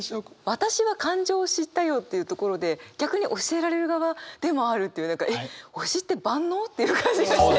「私は感情を知ったよ」っていうところで逆に教えられる側でもあるっていうえっ推しって万能？という感じがして。